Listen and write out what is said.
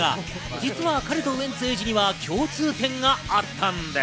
実は彼とウエンツ瑛士には共通点があったんです。